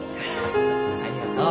ありがとう。